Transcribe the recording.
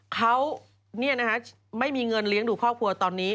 เขาเนี่ยนะฮะไม่มีเงินเลี้ยงถูกครอบครัวตอนนี้